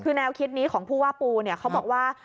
คือแนวคิดนี้ของผู้ว่าปูเขาบอกว่า